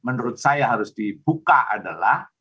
menurut saya harus dibuka adalah